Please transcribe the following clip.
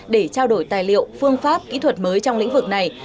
để trao đổi tài liệu phương pháp kỹ thuật mới trong lĩnh vực này